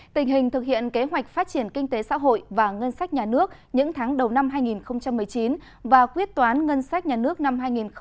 tình hình thực hiện kế hoạch phát triển kinh tế xã hội và ngân sách nhà nước những tháng đầu năm hai nghìn một mươi chín và quyết toán ngân sách nhà nước năm hai nghìn một mươi tám